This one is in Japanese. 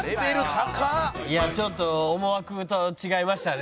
いやちょっと思惑と違いましたね。